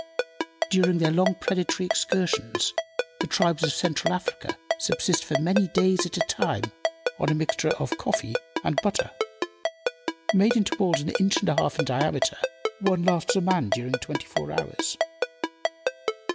During their long predatory excursions the tribes of Central Africa subsist for many days at a time on a mixture of coffee and butter. Made into balls an inch and a half in diameter, one lasts a man during twenty four hours.